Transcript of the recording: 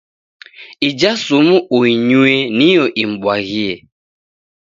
Ija sumu uinyue niyo imbwaghie.